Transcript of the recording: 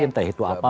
entah itu apa